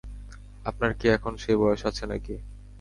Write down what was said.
আপনার কী এখন সেই বয়স আছে নাকি?